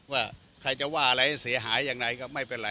ว่าใครจะว่าอะไรเสียหายอย่างไรก็ไม่เป็นไร